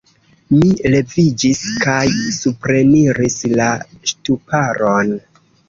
Mi leviĝis kaj supreniris la ŝtuparon.